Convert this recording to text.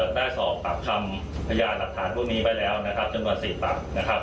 ได้สอบปรับคำพยาดับฐานรุ่นนี้ไปแล้วนะครับจนกว่าสิบปรับนะครับ